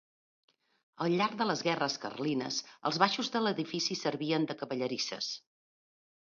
Al llarg de les guerres carlines els baixos de l'edifici servien de cavallerisses.